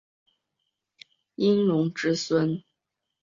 殷融之孙。